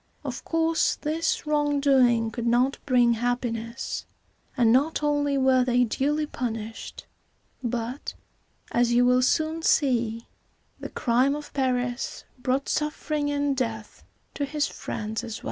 Of course, this wrongdoing could not bring happiness; and not only were they duly punished, but, as you will soon see, the crime of Paris brought suffering and death to his friends as well.